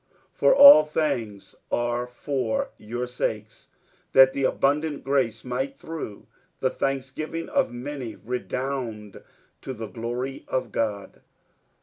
47:004:015 For all things are for your sakes, that the abundant grace might through the thanksgiving of many redound to the glory of God.